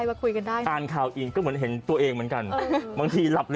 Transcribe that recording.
ไปอดนอนพี่ไหนมากนะครับ